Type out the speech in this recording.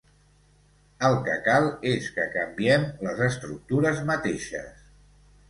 El que cal és que canviem les estructures mateixes!